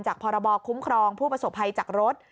พรบคุ้มครองผู้ประสบภัยจากรถ